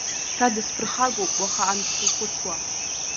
Са дысԥырхагоуп уаха амцхә ихәыцуа.